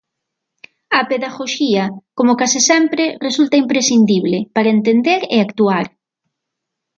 A Pedagoxía como case sempre resulta imprescindible para entender e actuar.